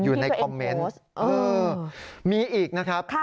อยู่ในคอมเมนต์มีอีกนะครับ